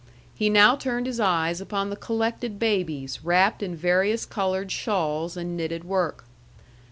He now turned his eyes upon the collected babies wrapped in various colored shawls and knitted work.